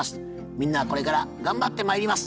みんなこれから頑張ってまいります。